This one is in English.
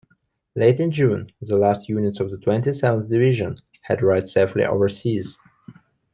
Late in June the last units of the Twenty-Seventh Division had arrived safely overseas.